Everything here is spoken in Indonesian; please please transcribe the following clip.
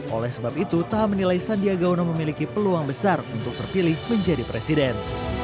oleh sebab itu taha menilai sandiaga uno memiliki peluang besar untuk terpilih menjadi presiden